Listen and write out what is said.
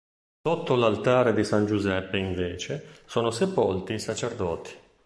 Sotto l'altare di San Giuseppe, invece, sono sepolti i sacerdoti.